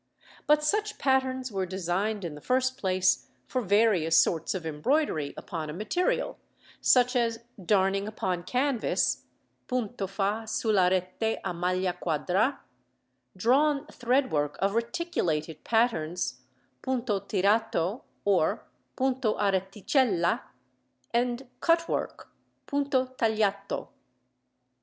But such patterns were designed in the first place for various sorts of embroidery upon a material, such as darning upon canvas (punto fa su la rete a maglia quadra), drawn thread work of reticulated patterns (punto tirato or punto a reticella), and cut work (punto tagliato).